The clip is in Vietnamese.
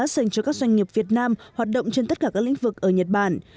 dành cho các doanh nghiệp việt nam hoạt động trên tất cả các lĩnh vực ở nhật bản